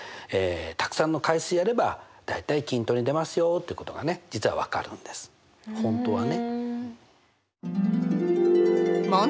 たくさんの回数やれば大体均等に出ますよってことがね実は分かるんです本当はね。